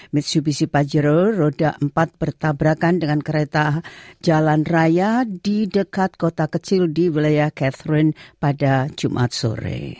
mitsubishi pajero roda empat bertabrakan dengan kereta jalan raya di dekat kota kecil di wilayah catherine pada jumat sore